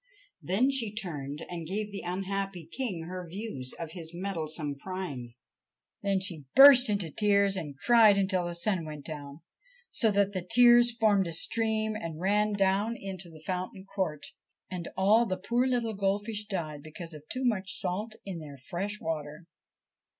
Then she turned and gave the unhappy King her views of his meddlesome prying. Then she burst into tears and cried until the sun went down, so that the tears formed a stream and ran down into the fountain court, and all the poor little goldfish died because of too much salt in their fresh water.